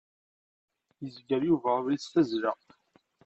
Yezger Yuba abrid s tazzla.